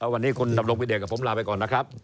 วันนี้คุณดำรงพิเดชกับผมลาไปก่อนนะครับ